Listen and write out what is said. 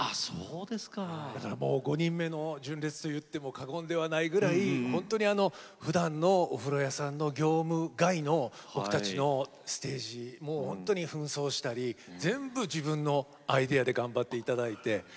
だからもう５人目の純烈といっても過言ではないぐらいふだんのお風呂屋さんの業務外の、僕たちのステージもふん装したり全部自分のアイデアで頑張っていただいて。